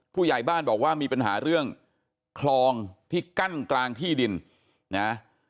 ผู้ใหญ่บ้านบอกว่ามีปัญหาเรื่องคลองที่กั้นกลางที่ดินนะ